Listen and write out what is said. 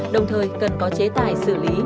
đồng thời cần có chế tài xử lý